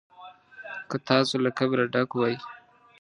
که تاسو له کبره ډک وئ.